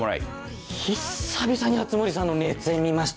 久々に熱護さんの熱演見ましたよ。